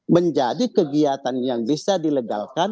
menjadi kegiatan yang bisa dilegalkan